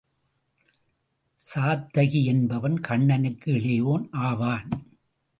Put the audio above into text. சாத்தகி என்பவன் கண்ணனுக்கு இளையோன் ஆவான்.